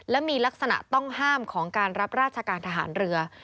และมีลักษณะต้องห้ามของการรับราชการทหารเรือ